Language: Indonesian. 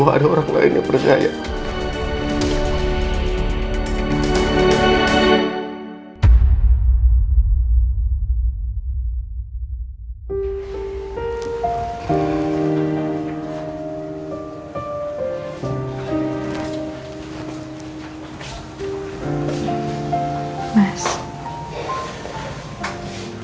betul orang misalnya berkeleyancing